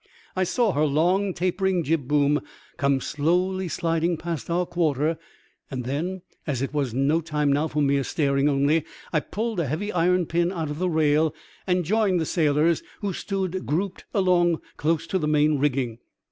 I saw her long tapering jibboom come slowly sliding past our quarter, and then, as it was no time now for mere staring only, I pulled a heavy iron pin out of the rail, and joined the sailors, who stood grouped along close to the main rigging.